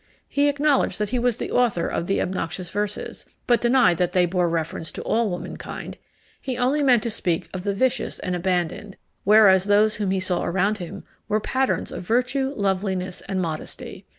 He acknowledged that he was the author of the obnoxious verses, but denied that they bore reference to all womankind. He only meant to speak of the vicious and abandoned, whereas those whom he saw around him were patterns of virtue, loveliness, and modesty.